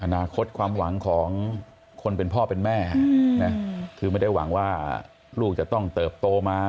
อนาคตความหวังของคนเป็นพ่อเป็นแม่คือไม่ได้หวังว่าลูกจะต้องเติบโตมา